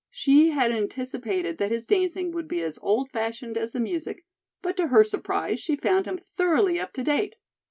She had anticipated that his dancing would be as old fashioned as the music, but to her surprise, she found him thoroughly up to date.